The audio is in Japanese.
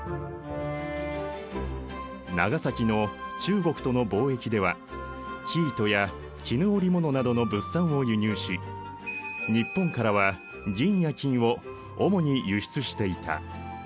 長崎の中国との貿易では生糸や絹織物などの物産を輸入し日本からは銀や金を主に輸出していた。